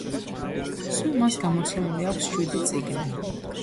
სულ მას გამოცემული აქვს შვიდი წიგნი.